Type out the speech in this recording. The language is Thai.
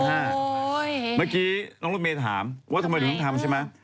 เมื่อกี้น้องรุ่นเมย์ถามว่าทำไมนุ่มทำใช่ไหม